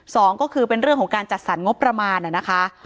สองก็คือเป็นเรื่องของการจัดสรรงบประมาณน่ะนะคะ